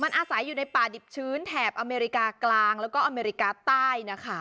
มันอาสายอยู่ในป่าดิบชื้นแถบอเมริกากลางและอเมริกาใต้